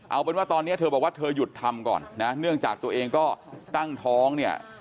เอาเป็นว่าตอนนี้เธอบอกว่าเธอหยุดทำก่อนนะเนื่องจากตัวเองก็ตั้งท้องเนี่ย